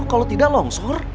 kalau tidak longsor